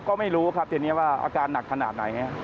ก็ไม่รู้ครับทีนี้ว่าอาการหนักขนาดไหน